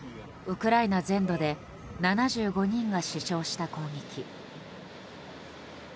ウクライナ全土で７５人が死傷した攻撃。